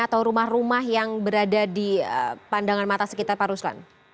atau rumah rumah yang berada di pandangan mata sekitar pak ruslan